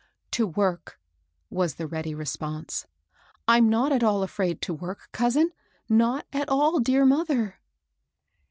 "To work," was the ready response. rm not at all afraid to work, cousin, — not at all, dear mother."